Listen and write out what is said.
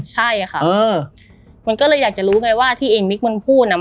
ใช่ค่ะมันก็เลยอยากจะรู้ไงว่าที่ไอ้มิกมันพูดน่ะ